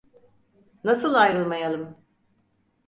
Nasıl ayrılmayalım?